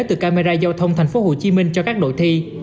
từ camera giao thông thành phố hồ chí minh cho các đội thi